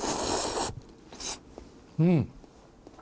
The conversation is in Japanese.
うん。